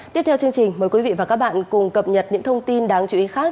tiếp theo chương trình mời quý vị và các bạn cùng cập nhật những thông tin đáng chú ý khác